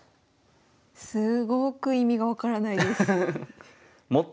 すごく意味が分からないです。